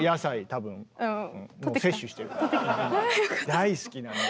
大好きなんで。